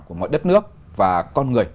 của mọi đất nước và con người